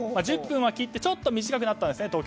１０分は切ってちょっと短くなったんですね